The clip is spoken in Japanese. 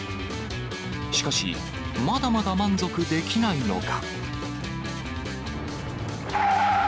しかし、まだまだ満足できないのか。